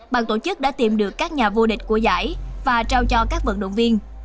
bàn tổ chức đã tìm được các nhà vô địch của giải và trao cho các vận động viên